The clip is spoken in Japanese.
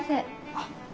あっ。